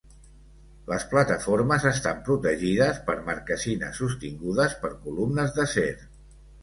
Les plataformes estan protegides per marquesines sostingudes per columnes d'acer.